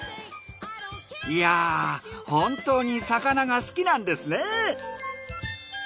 いや本当に魚が好きなんですね。